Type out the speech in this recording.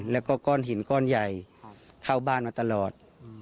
แล้วก็ก้อนหินก้อนใหญ่เข้าบ้านมาตลอด